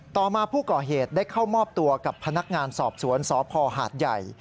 ต่อมาผู้ก่อเหตุได้เข้ามอบตัวกับพนักงานสอบสวนสพหาดใหญ่